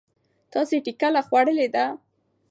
تاسې ټکله خوړلې ده؟